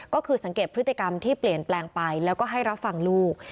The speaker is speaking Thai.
ก็คือสังเกตพฤติกรรมที่เปลี่ยนแปลงไปแล้วก็ให้รับฟังลูก